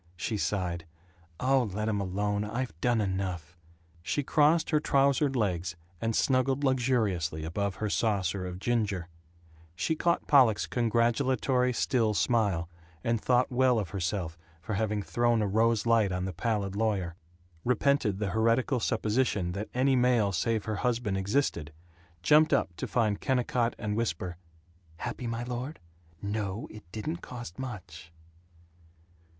She sighed, "Oh, let 'em alone. I've done enough." She crossed her trousered legs, and snuggled luxuriously above her saucer of ginger; she caught Pollock's congratulatory still smile, and thought well of herself for having thrown a rose light on the pallid lawyer; repented the heretical supposition that any male save her husband existed; jumped up to find Kennicott and whisper, "Happy, my lord? ... No, it didn't cost much!"